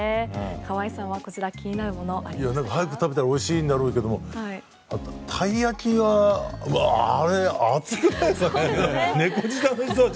川合さんはこちら気になるものは？早く食べたら美味しいんだろうけどもたい焼きは、あれ熱くないかな？